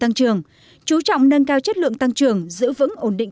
tăng trường chú trọng nâng cao chất lượng tăng trường giữ vững ổn định